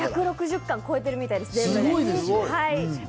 １６０巻超えているみたいですから。